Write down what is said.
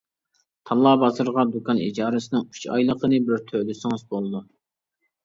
تاللا بازىرىغا دۇكان ئىجارىسىنىڭ ئۈچ ئايلىقىنى بىر تۆلىسىڭىز بولىدۇ.